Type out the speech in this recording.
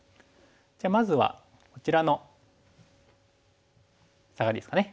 じゃあまずはこちらのサガリですかね。